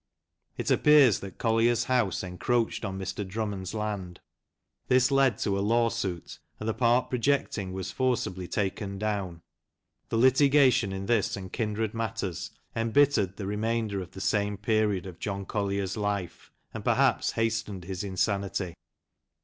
It appears that 120 BYGONE LANCASHIRE. Collier's house encroached on Mr. Drummond's land. This led to a lawsuit, and the part projecting was forcibly taken down. The litigation in this and kindred matters embittered the remainder of the sane period of John Collier's life, and perhaps hastened his insanity.